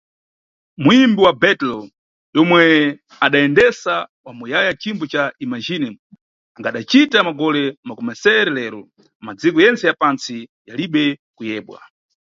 Muyimbi wa Beatles, omwe adayendesa wa muyaya cimbo ca "Imagine", angadacita magole makumasere lero, madziko yentse ya pantsi yalibe kuyebwa.